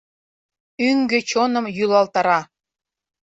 Ӱҥгӧ чоным йӱлалтара.